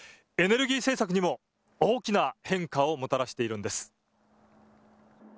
エネルギー政策にも大きな変化をもたらしているんです。